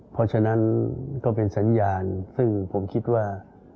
เพราะฉะนั้นก็เป็นสัญญาณซึ่งผมคิดว่า